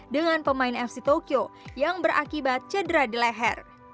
dengan pemain fc tokyo yang berakibat cedera di leher